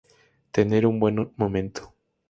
Tener un buen momento".